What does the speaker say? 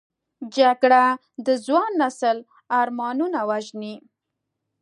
جګړه د ځوان نسل ارمانونه وژني